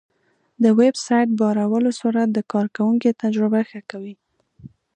د ویب سایټ بارولو سرعت د کارونکي تجربه ښه کوي.